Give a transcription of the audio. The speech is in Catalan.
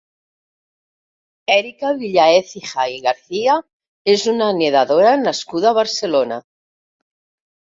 Erika Villaécija i García és una nedadora nascuda a Barcelona.